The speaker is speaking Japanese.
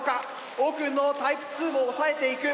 奥のタイプ２も抑えていく。